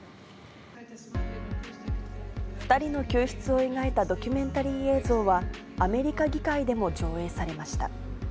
２人の救出を描いたドキュメンタリー映像は、アメリカ議会でも上映されました。